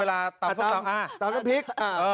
เวลาตำตำกับพริก